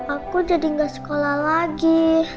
aku jadi nggak sekolah lagi